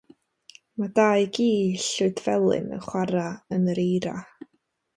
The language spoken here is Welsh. Mae dau gi llwydfelyn yn chwarae yn yr eira